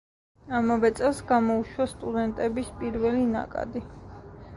ამავე წელს გამოუშვა სტუდენტების პირველი ნაკადი.